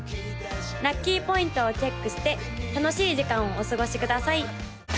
ラッキーポイントをチェックして楽しい時間をお過ごしください！